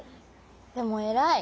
でもえらい！